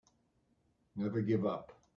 Never give up.